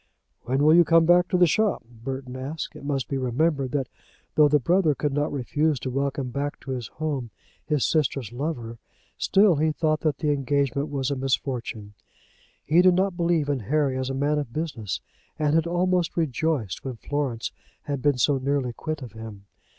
"When will you come back to the shop?" Burton asked. It must be remembered that though the brother could not refuse to welcome back to his home his sister's lover, still he thought that the engagement was a misfortune. He did not believe in Harry as a man of business, and had almost rejoiced when Florence had been so nearly quit of him.